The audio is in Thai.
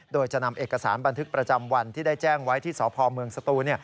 โดยจะนำเอกสารบันทึกประจำวันที่ได้แจ้งไว้ที่สพเมืองสตูน